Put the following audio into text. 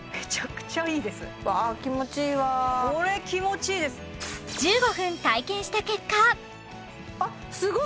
わ気持ちいいわこれ気持ちいいです１５分体験した結果あっすごい！